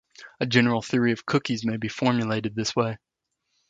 A general theory of cookies may be formulated this way.